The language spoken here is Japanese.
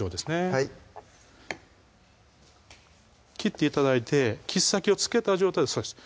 はい切って頂いて切っ先を付けた状態でそうです